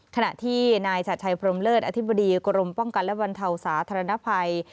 ขณะที่นายชัดชัยพรมเลิศอธิบดีกรมป้องกันและบรรเทาสาธารณภัย